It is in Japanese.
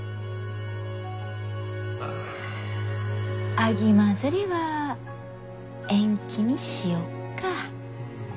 秋まづりは延期にしよっか？